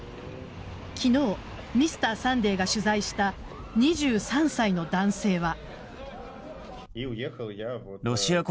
昨日「Ｍｒ．サンデー」が取材した２３歳の男性は。